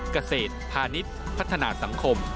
เกษตรพาณิชย์พัฒนาสังคม